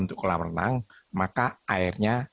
untuk kolam renang maka airnya